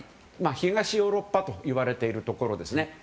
東ヨーロッパといわれているところですね。